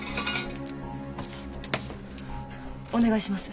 お願いします。